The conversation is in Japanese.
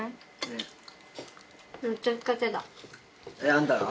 あんたが？